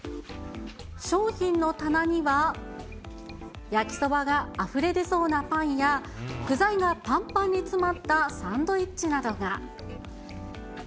商品の棚には、焼きそばがあふれ出そうなパンや、具材がぱんぱんに詰まったサンドイッチなどが。